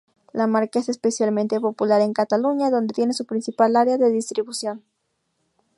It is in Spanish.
La marca es especialmente popular en Cataluña, donde tiene su principal área de distribución.